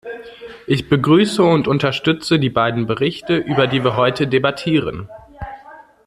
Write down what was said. Ich begrüße und unterstütze die beiden Berichte, über die wir heute debattieren.